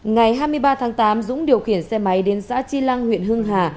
ngày hai mươi ba tháng tám dũng điều khiển xe máy đến xã chi lăng huyện hưng hà